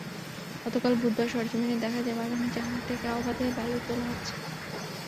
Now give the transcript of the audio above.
গতকাল বুধবার সরেজমিনে দেখা যায়, বাগানের চারদিক থেকে অবাধে বালু তোলা হচ্ছে।